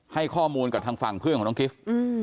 ให้ข้อมูลกับทางฝั่งเพื่อนของน้องกิฟต์